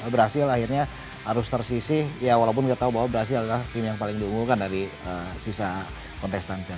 berhasil akhirnya harus tersisih walaupun tidak tahu bahwa brazil adalah tim yang paling diunggulkan dari seluruh pilihan